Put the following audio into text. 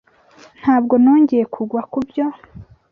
Ntabwo nongeye kugwa kubyo.